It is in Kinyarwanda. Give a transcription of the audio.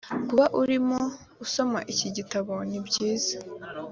kuba urimo usoma iki gitabo nibyiza